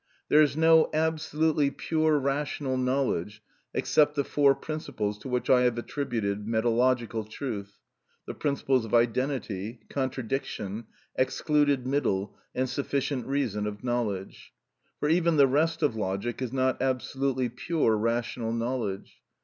There is no absolutely pure rational knowledge except the four principles to which I have attributed metalogical truth; the principles of identity, contradiction, excluded middle, and sufficient reason of knowledge. For even the rest of logic is not absolutely pure rational knowledge.